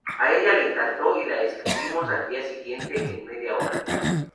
A ella le encantó y la escribimos al día siguiente en media hora...